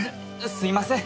すいません。